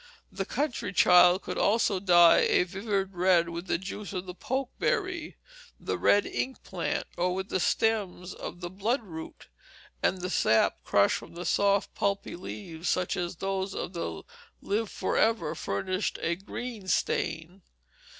The country child could also dye a vivid red with the juice of the pokeberry, the "red ink" plant, or with the stems of the bloodroot; and the sap crushed from soft, pulpy leaves, such as those of the live for ever, furnished a green stain.